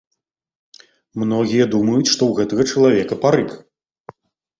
Многія думаюць, што ў гэтага чалавека парык.